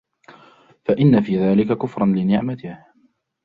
فَإِنَّ فِي ذَلِكَ كُفْرًا لِنِعْمَتِهِ